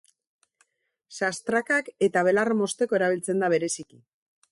Sastrakak eta belarra mozteko erabiltzen da bereziki.